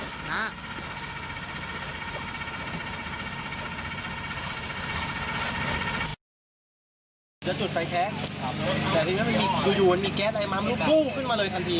จะจุดไฟแช๊กแต่ทีนี้มันมีอยู่เหมือนมีแก๊สไอน้ำมันกู้ขึ้นมาเลยทันที